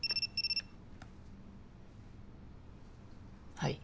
はい。